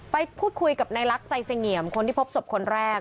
ไปพูดคุยกับนายลักษณ์ใจเสงี่ยมคนที่พบศพคนแรก